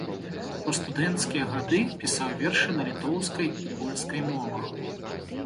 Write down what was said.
У студэнцкія гады пісаў вершы на літоўскай і польскай мовах.